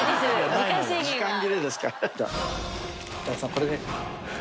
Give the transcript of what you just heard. これで。